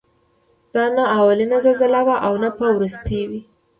دا نه اولینه زلزله وه او نه به وروستۍ وي.